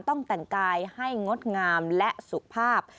ต้องแต่งกายให้งดงามและสุขภาพ